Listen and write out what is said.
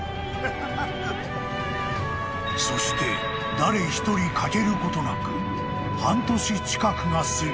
［そして誰一人欠けることなく半年近くが過ぎ］